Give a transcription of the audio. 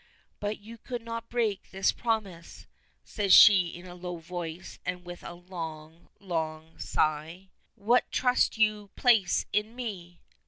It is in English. "But you could not break this promise?" says she in a low voice, and with a long, long sigh. "What trust you place in me!"